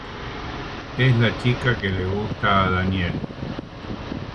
Es la chica que le gusta a Daniel.